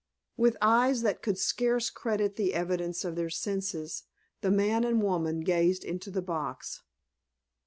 With eyes that could scarce credit the evidence of their senses the man and woman gazed into the box.